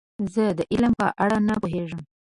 زه د علم په اړه نه پوهیږم.